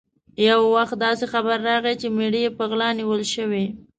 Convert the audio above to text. یو وخت داسې خبر راغی چې مېړه یې په غلا نیول شوی.